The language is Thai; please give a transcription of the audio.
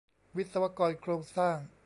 วิศวกรโครงสร้าง